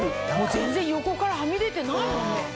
全然横からハミ出てないもんね。